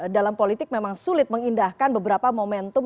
dalam politik memang sulit mengindahkan beberapa momentum